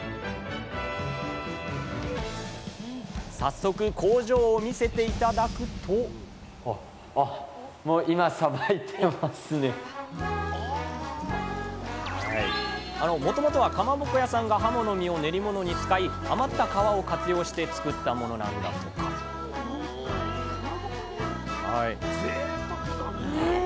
早速工場を見せて頂くともともとはかまぼこ屋さんがはもの身を練り物に使い余った皮を活用して作ったものなんだとかぜいたくだね。